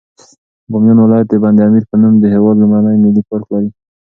بامیان ولایت د بند امیر په نوم د هېواد لومړنی ملي پارک لري.